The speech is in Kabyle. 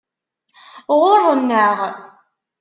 Ɣurren-aɣ.